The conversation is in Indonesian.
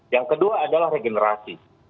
yang kedua adalah regenerasi